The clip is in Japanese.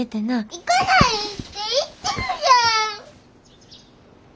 行かないって言ってるじゃん！